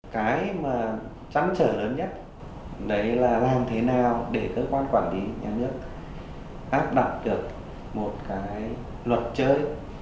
cái mà trăn trở lớn nhất đấy là làm thế nào để cơ quan quản lý nhà nước áp đặt được một cái luật chơi